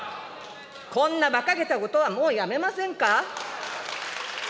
こんなばかげたことはもうやめませんか。